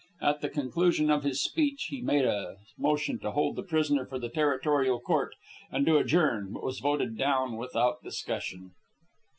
At the conclusion of his speech he made a motion to hold the prisoner for the territorial court and to adjourn, but was voted down without discussion.